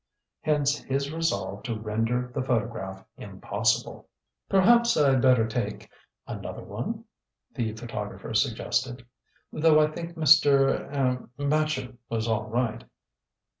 Hence his resolve to render the photograph impossible. "Perhaps I'd better take another one?" the photographer suggested. "Though I think Mr. er Machin was all right."